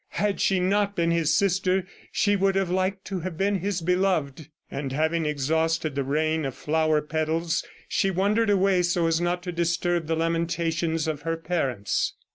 Had she not been his sister, she would have liked to have been his beloved. And having exhausted the rain of flower petals, she wandered away so as not to disturb the lamentations of her parents.